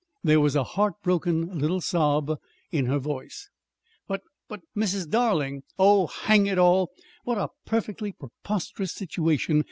There was a heartbroken little sob in her voice. "But but, Mrs. Darling! Oh, hang it all! What a perfectly preposterous situation!"